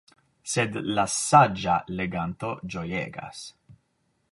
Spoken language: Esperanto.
Sed la „saĝa“ leganto ĝojegas.